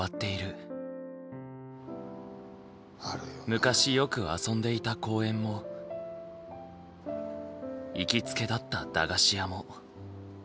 昔よく遊んでいた公園も行きつけだった駄菓子屋も。